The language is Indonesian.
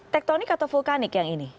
tektonik atau vulkanik yang ini